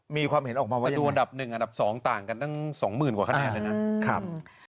ดูอันดับหนึ่งอันดับสองต่างกันตั้ง๒๐๐๐๐กว่าขนาดเลยนะ